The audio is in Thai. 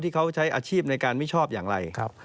ที่เขาใช้อาชีพในการไม่ชอบอย่างไร